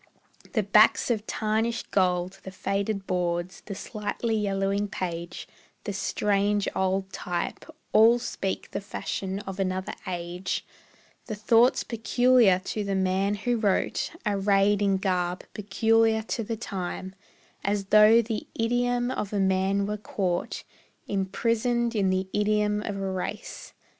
The backs of tarnished gold, the faded boards, The slightly yellowing page, the strange old type, All speak the fashion of another age; The thoughts peculiar to the man who wrote Arrayed in garb peculiar to the time; As though the idiom of a man were caught Imprisoned in the idiom of a race.